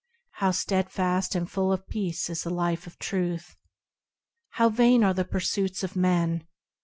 How steadfast and full of peace is the life of Truth! How vain are the pursuits of men!